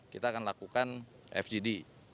kita akan lakukan fgd